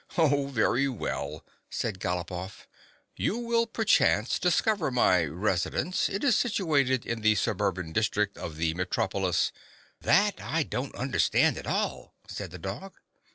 " Oh, very well," said Galopoff. " You will perchance discover my residence — it is situated in the suburban district of the metropolis —"" That I don't understand at all," said the dog.